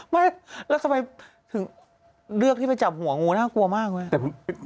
ไม่แล้วทำไมถึงเลือกที่ไปจับหัวงูน่ากลัวมากเว้ย